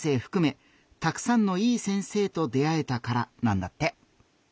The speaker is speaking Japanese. ふくめたくさんのいい先生と出会えたからなんだって。